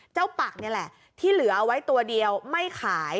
ปักนี่แหละที่เหลือเอาไว้ตัวเดียวไม่ขาย